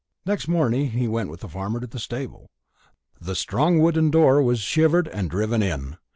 Next morning he went with the farmer to the stable. The strong wooden door was shivered and driven in.